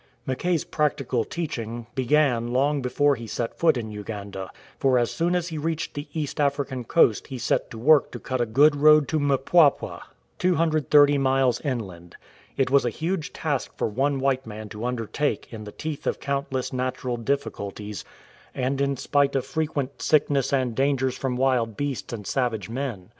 "" Mackay's practical teaching began long before he set foot in Uganda, for as soon as he reached the East African coast he set to work to cut a good road to Mpwapwa, 230 miles inland. It was a huge task for one white man to undertake in the teeth of countless natural difficulties, and in spite of frequent 104 * VICTORIA NYANZA sickness and dangers from wild beasts and savage men.